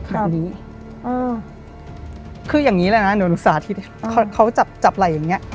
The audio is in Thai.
ครับอ่าคืออย่างนี้แหละนะหนูอุปสร้างที่เขาเขาจับจับไหล่อย่างเงี้ย